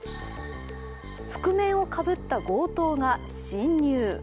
覆面をかぶった強盗が侵入。